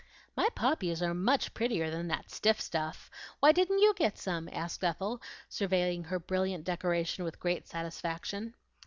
"My poppies are much prettier than that stiff stuff. Why didn't you get some?" asked Ethel, surveying her brilliant decoration with great satisfaction.